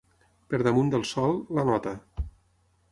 Per damunt del sol, la nota.